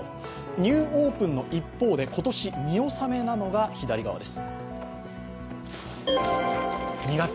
ニューオープンの一方で今年見納めなのが左側です。